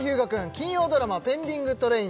金曜ドラマ「ペンディングトレイン」